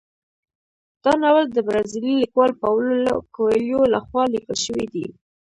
دا ناول د برازیلي لیکوال پاولو کویلیو لخوا لیکل شوی دی.